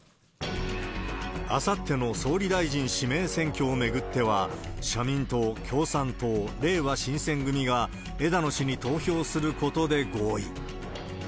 あさっての総理大臣指名選挙を巡っては、社民党、共産党、れいわ新選組が枝野氏に投票することで合意。